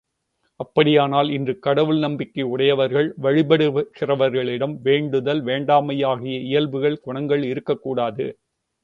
அப்படியானால் இன்று கடவுள் நம்பிக்கை உடையவர்கள் வழிபடுகிறவர்களிடம் வேண்டுதல், வேண்டாமையாகிய இயல்புகள் குணங்கள் இருக்கக்கூடாது அல்லவா?